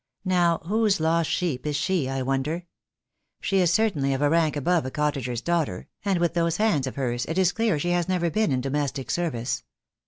"Now, whose lost sheep is she, I wonder? She is certainly of a rank above a cottager's daughter, and with those hands of hers it is clear she has never been in domestic service.